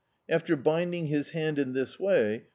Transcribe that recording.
After binding his hand in this way.